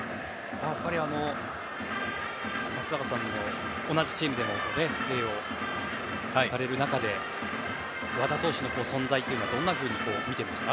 松坂さんも同じチームでプレーされる中で和田投手の存在はどんなふうに見ていましたか？